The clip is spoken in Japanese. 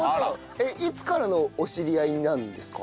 えっいつからのお知り合いなんですか？